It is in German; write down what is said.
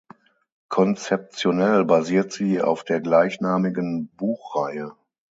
Konzeptionell basiert sie auf der gleichnamigen Buchreihe.